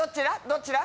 どっちだ？